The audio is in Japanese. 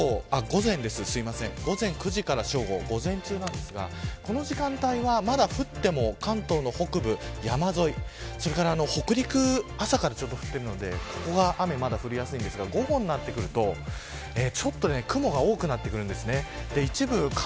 まずこちらが午前９時から正午、午前中ですがこの時間帯はまだ降っても関東の北部山沿、それから北陸朝からちょっと降っているのでここはまだ雨が降りやすいですが午後になると雲が多くなってくるんですね。